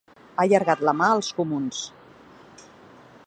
Ha allargat la mà als comuns.